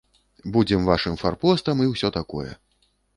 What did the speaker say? Будзем вашым фарпостам і ўсё такое.